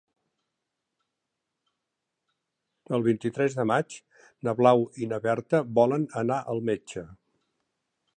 El vint-i-tres de maig na Blau i na Berta volen anar al metge.